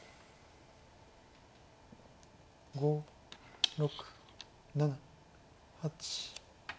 ５６７８。